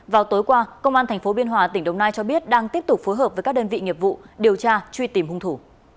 vào tối qua công an tp biên hòa tỉnh đồng nai cho biết đang tiếp tục phối hợp với các đơn vị nghiệp vụ điều tra truy tìm hung thủ